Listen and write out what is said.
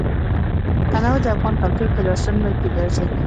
تنوع د افغان کلتور په داستانونو کې راځي.